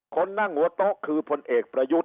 คนนั่งหัวโต๊ะคือพลเอกประยุทธ์